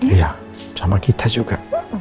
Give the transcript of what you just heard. iya sama kita juga